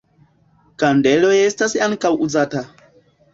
Kandeloj estas ankaŭ uzata.